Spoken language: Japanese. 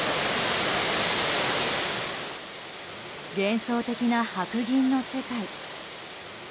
幻想的な白銀の世界。